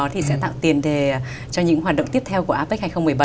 thì sẽ tạo tiền đề cho những hoạt động tiếp theo của apec hai nghìn một mươi bảy